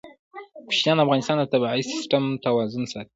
کوچیان د افغانستان د طبعي سیسټم توازن ساتي.